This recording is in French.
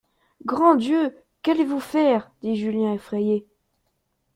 Grand Dieu ! qu'allez-vous faire ? dit Julien effrayé.